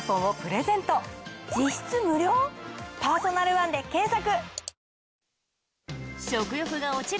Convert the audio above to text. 実質無料⁉「パーソナルワン」で検索！